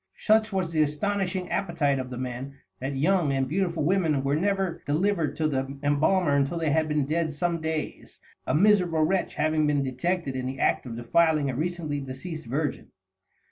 Such was the astonishing appetite of the men, that young and beautiful women were never delivered to the embalmer until they had been dead some days, a miserable wretch having been detected in the act of defiling a recently deceased virgin!